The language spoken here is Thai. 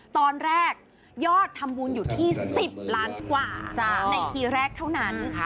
ตอนแรกยอดทำบุญอยู่ที่๑๐ล้านกว่าในทีแรกเท่านั้น